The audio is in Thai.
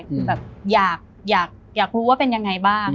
คือแบบอยากอยากอยากรู้ว่าเป็นยังไงบ้าง